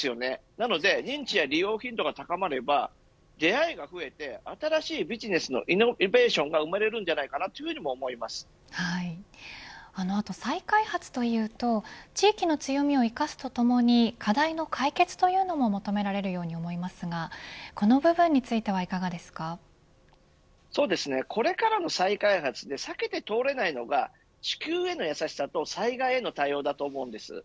なので認知や利用頻度が高まれば出会いが増えて新しいビジネスのイノベーションが再開発というと地域の強みを生かすとともに課題の解決というのも求められるように思いますがこの部分についてはこれからの再開発で避けて通れないのが地球への優しさと災害への対応だと思います。